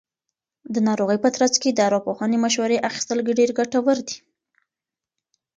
د ناروغۍ په ترڅ کې د ارواپوهنې مشورې اخیستل ډېر ګټور دي.